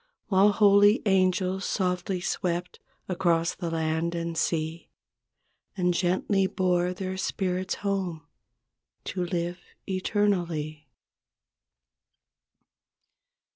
While holy angels softly swept Across the land and sea And gently bore their spirits home To live eternally.